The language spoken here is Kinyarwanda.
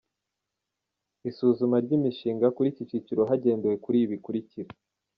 Isuzuma ry’imishinga: Kuri iki cyiciro hagendewe kuri ibi bikurikira.